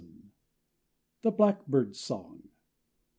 THE BLACKBIRD'S SONG.